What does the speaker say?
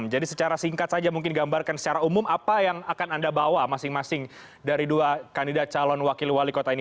jadi secara singkat saja mungkin digambarkan secara umum apa yang akan anda bawa masing masing dari dua kandidat calon wakil wali kota ini